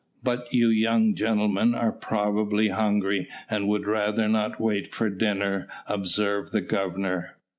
"But you young gentlemen are probably hungry, and would rather not wait for dinner," observed the Governor.